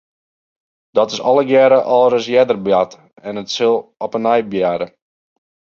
Dat is allegearre al ris earder bard en it sil op 'e nij barre.